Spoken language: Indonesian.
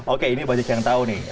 oke ini banyak yang tahu nih